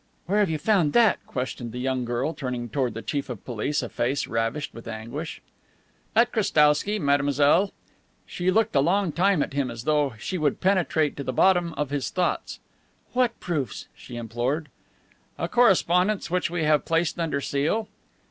"Where have you found that?" questioned the young girl, turning toward the Chief of Police a face ravished with anguish. "At Krestowsky, mademoiselle." She looked a long time at him as though she would penetrate to the bottom of his thoughts. "What proofs?" she implored. "A correspondence which we have placed under seal."